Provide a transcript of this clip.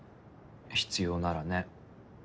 必要ならね。